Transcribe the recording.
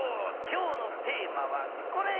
今日のテーマはこれ！